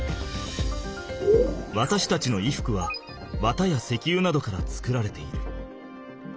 わたしたちの衣服は綿や石油などから作られている。